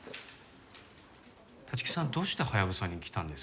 立木さんどうしてハヤブサに来たんですか？